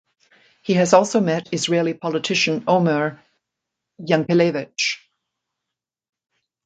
He has also met Israeli Politician Omer Yankelevich.